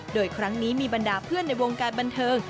โดยครั้งนี้มีบรรดาเพื่อนในวงการบันเทิง